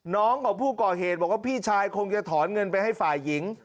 น้องของผู้ก่อเหตุบอกว่าพี่ชายคงจะถอนเงินไปให้ฝ่ายหญิง